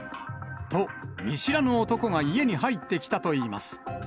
と、見知らぬ男が家に入ってきたといいます。